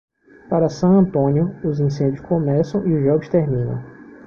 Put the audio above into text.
Para San Antonio, os incêndios começam e os jogos terminam.